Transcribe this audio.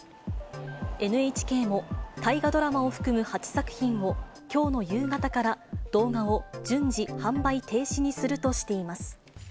ＮＨＫも、大河ドラマを含む８作品をきょうの夕方から、動画を順次販売停止にするとしています。